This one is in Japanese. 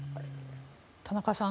田中さん